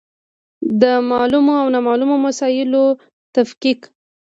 د معلومو او نامعلومو مسایلو تفکیک.